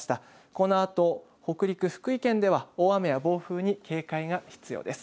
このあと北陸、福井県では大雨や暴風に警戒が必要です。